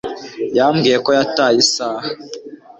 Yambwiye ko yataye isaha